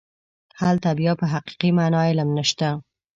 هلته بیا په حقیقي معنا علم نشته.